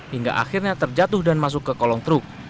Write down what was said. hingga akhirnya terjatuh dan masuk ke kolong truk